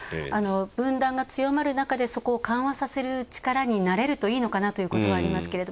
分断が強まる中でそこを緩和させる力になれればいいのかなということはありますけど。